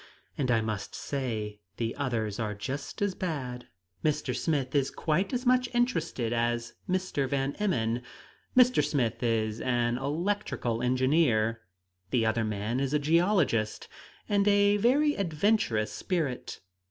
And I must say the others are just as bad. "Mr. Smith is quite as much interested as Mr. Van Emmon. Mr. Smith is an electrical engineer; the other man is a geologist, and a very adventurous spirit.